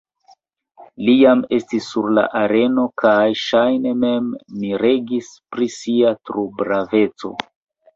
Li jam estis sur la areno kaj, ŝajne, mem miregis pri sia trobraveco.